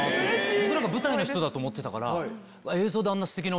僕なんか舞台の人だと思ってたから。